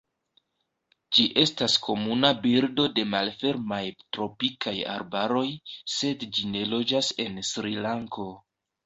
Ĝi estas komuna birdo de malfermaj tropikaj arbaroj, sed ĝi ne loĝas en Srilanko.